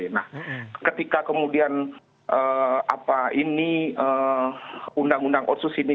nah ketika kemudian ini undang undang osus ini